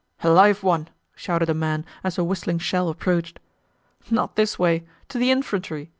"A live one!" shouted a man as a whistling shell approached. "Not this way! To the infantry!"